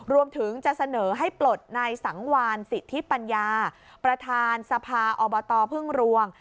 รวมถึงจะเสนอให้ปลดนายสังวานสิทธิปัญญาประธานสภาอบตพึ่งรวง